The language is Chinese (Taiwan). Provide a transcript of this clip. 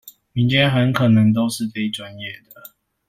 民間很可能都是非專業的